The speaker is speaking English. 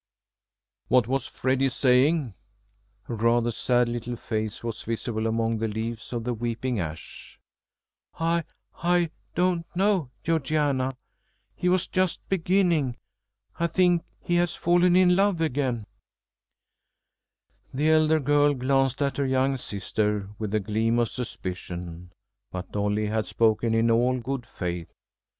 "What was Freddy saying?" A rather sad little face was visible among the leaves of the weeping ash. [Illustration: He saw Georgiana charging down upon them.] "I I don't know, Georgiana. He was just beginning I think he has fallen in love again." The elder girl glanced at her young sister with a gleam of suspicion, but Dolly had spoken in all good faith.